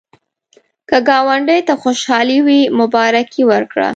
که ګاونډي ته خوشالي وي، مبارکي ورکړه